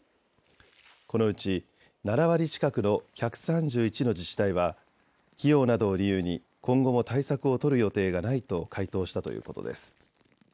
このうち７割近くの１３１の自治体は費用などを理由に今後も対策を取る予定がないと回答したということです。